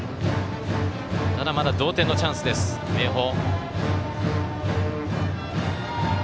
ただ、まだ同点のチャンスです明豊。